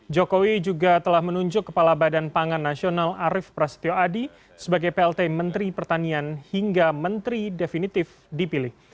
jokowi juga telah menunjuk kepala badan pangan nasional arief prasetyo adi sebagai plt menteri pertanian hingga menteri definitif dipilih